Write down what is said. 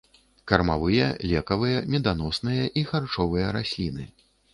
Кармавыя, лекавыя, меданосныя і харчовыя расліны.